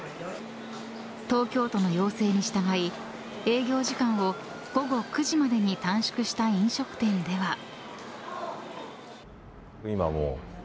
東京都の要請に従い営業時間を午後９時までに短縮した飲食店では。